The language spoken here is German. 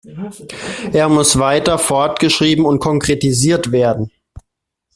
Er muss weiter fortgeschrieben und konkretisiert werden.